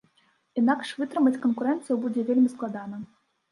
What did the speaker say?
Інакш вытрымаць канкурэнцыю будзе вельмі складана.